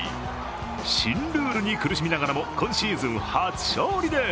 新ルールに苦しみながらも今シーズン初勝利です。